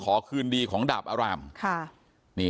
เพราะไม่เคยถามลูกสาวนะว่าไปทำธุรกิจแบบไหนอะไรยังไง